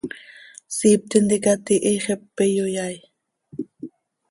Siip tintica tiihi, xepe iyoyaai.